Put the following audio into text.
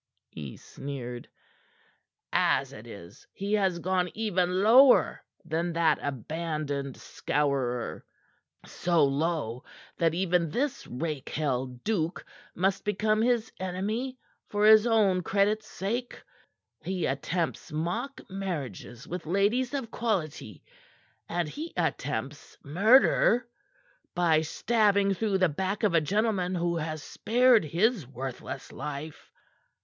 he sneered. "As it is, he has gone even lower than that abandoned scourer; so low that even this rakehell duke must become his enemy for his own credit's sake. He attempts mock marriages with ladies of quality; and he attempts murder by stabbing through the back a gentleman who has spared his worthless life.